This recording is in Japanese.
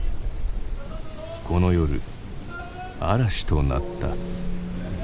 この夜嵐となった。